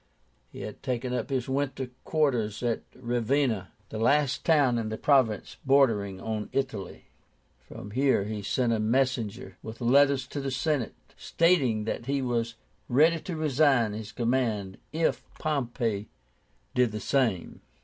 He had taken up his winter quarters at Ravenna, the last town in his province bordering on Italy. From here he sent a messenger with letters to the Senate, stating that he was ready to resign his command, if Pompey did the same.